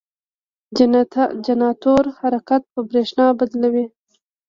جنراتور حرکت په برېښنا بدلوي.